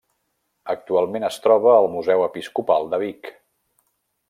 Actualment es troba al Museu Episcopal de Vic.